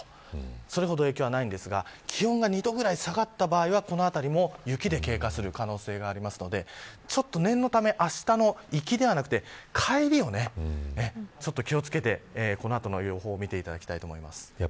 それほど影響はないんですが気温が２度くらい下がった場合はこの辺りも雪で警戒する可能性がありますので念のためあしたの行きではなくて帰りをちょっと気を付けてこの後の予報を見ていきたいと思います。